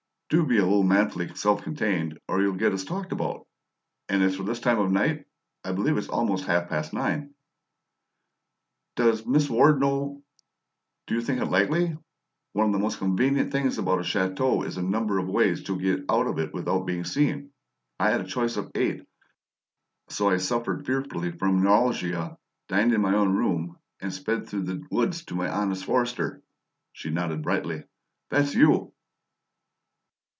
Do be a little manfully self contained, or you'll get us talked about! And as for 'this time of night,' I believe it's almost half past nine." "Does Miss Ward know " "Do you think it likely? One of the most convenient things about a chateau is the number of ways to get out of it without being seen. I had a choice of eight. So I 'suffered fearfully from neuralgia,' dined in my own room, and sped through the woods to my honest forester." She nodded brightly. "That's YOU!"